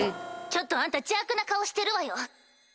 ちょっとあんた邪悪な顔してるわよ。